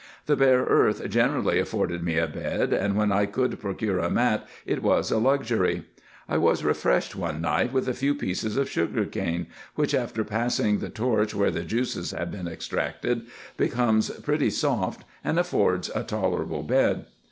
The bare earth generally afforded me a bed, and when I could procure a mat it was a luxury. I was refreshed one night with a few pieces of sugar cane, which, after passing the torch where the juice has been extracted, becomes pretty soft, and affords a tolerable bed.